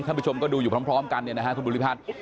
ผู้ชมก็ดูอยู่พร้อมกันเนี่ยนะฮะคุณบุริพัฒน์